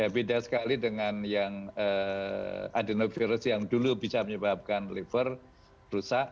beda sekali dengan yang adenovirus yang dulu bisa menyebabkan liver rusak